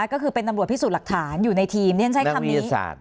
ก็คือเป็นอำรวจพิสูจน์หลักฐานอยู่ในทีมนี่ใช้คำนี้นางวิทยาศาสตร์